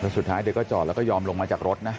สุดท้ายเธอก็จอดแล้วก็ยอมลงมาจากรถนะ